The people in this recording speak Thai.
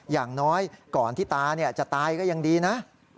อย่างน้อยก่อนที่ตาจะตายก็ยังดีนะ